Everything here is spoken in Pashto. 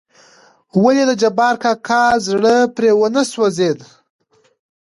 ولې دجبار کاکا زړه پرې ونه سوزېد .